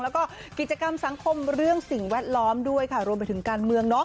และกิจกรรมสังคมเรื่องสิ่งแวดล้อมและรวมไปถึงการเมือง